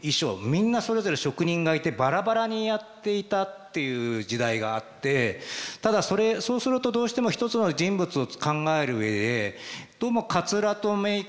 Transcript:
みんなそれぞれ職人がいてバラバラにやっていたっていう時代があってただそうするとどうしても一つの人物を考える上でどうもかつらとメークと衣装が